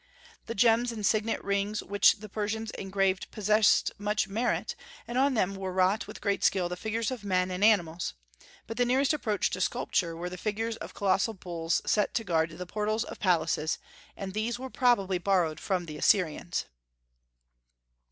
The gems and signet rings which the Persians engraved possessed much merit, and on them were wrought with great skill the figures of men and animals; but the nearest approach to sculpture were the figures of colossal bulls set to guard the portals of palaces, and these were probably borrowed from the Assyrians.